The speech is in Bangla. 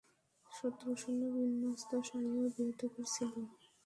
শত্রুসৈন্যের বিন্যস্ত সারিও বৃহদাকার ছিল।